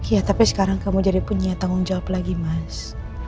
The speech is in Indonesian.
ya tapi sekarang kamu jadi punya tanggung jawab lagi mas